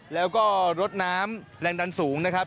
แล้วก็รถน้ำแรงดันสูงนะครับ